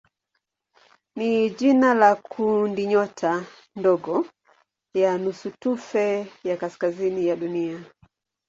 ni jina la kundinyota ndogo ya nusutufe ya kaskazini ya Dunia.